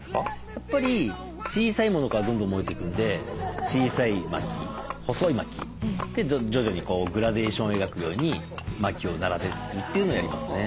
やっぱり小さいものからどんどん燃えていくんで小さい薪細い薪で徐々にグラデーションを描くように薪を並べるっていうのをやりますね。